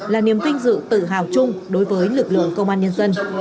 là niềm vinh dự tự hào chung đối với lực lượng công an nhân dân